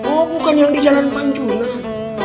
oh bukan yang di jalan panculan